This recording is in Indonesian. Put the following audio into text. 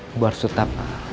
bu harus tetap